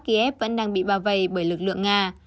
kiev vẫn đang bị bao vây bởi lực lượng nga